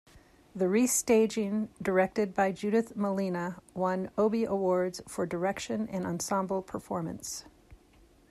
The re-staging, directed by Judith Malina, won Obie Awards for Direction and Ensemble Performance.